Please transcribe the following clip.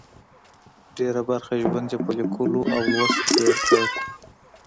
ډېره برخه ژوند یې په لیکلو او لوست تېر کړه.